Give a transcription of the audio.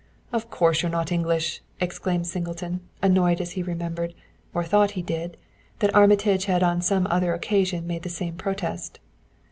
"Of course you're not English!" exclaimed Singleton, annoyed as he remembered, or thought he did, that Armitage had on some other occasion made the same protest.